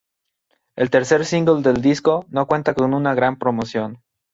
El tercer single del disco, no cuenta con una gran promoción.